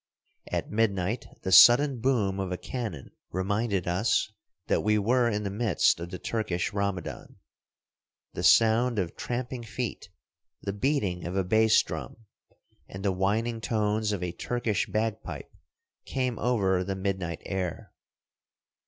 At midnight the sudden boom of a cannon reminded us that we were in the midst of the Turkish Ramadan. The sound of tramping feet, the beating of a bass drum, and the whining tones of a Turkish 14 Across Asia on a Bicycle MILL IN ASIA MINOR. 15 bagpipe, came over the midnight air.